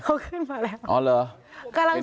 เขาขึ้นมาแล้วอ๋อเหรอ